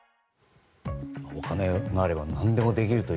お金があれば何でもできるという。